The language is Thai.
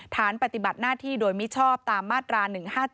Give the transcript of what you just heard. ฐานปฏิบัติหน้าที่โดยมิชอบตามมาตรา๑๕๗